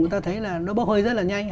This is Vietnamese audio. người ta thấy là nó bốc hơi rất là nhanh